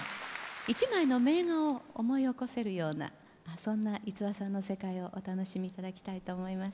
一枚の名画を思い起こせるようなそんな五輪さんの世界をお楽しみいただきたいと思います。